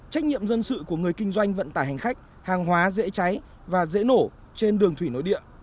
trách nhiệm dân sự của người kinh doanh vận tải hành khách hàng hóa dễ cháy và dễ nổ trên đường thủy nối địa